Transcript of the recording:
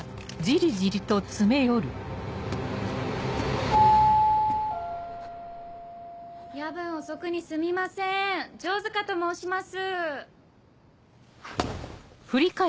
・夜分遅くにすみません城塚と申します